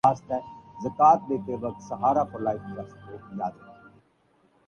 Atlantic daylight time